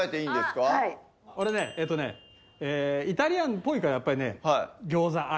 俺ねえっとねイタリアンっぽいからやっぱりね餃子「Ｉ」。